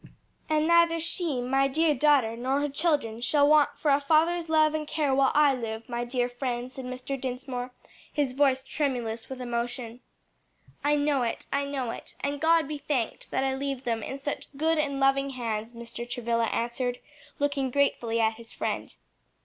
"And neither she, my dear daughter, nor her children, shall want for a father's love and care while I live, my dear friend," said Mr. Dinsmore, his voice tremulous with emotion. "I know it, I know it, and God be thanked that I leave them in such good and loving hands," Mr. Travilla answered, looking gratefully at his friend.